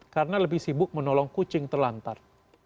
karena lebih sibuk menolong kucing terlantar